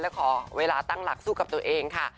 และขอเวลาตั้งหลักสู้กับตัวเองค่ะ